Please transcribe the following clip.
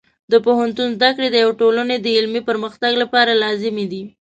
د پوهنتون زده کړې د یوې ټولنې د علمي پرمختګ لپاره لازمي دي.